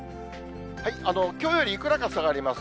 きょうよりいくらか下がります。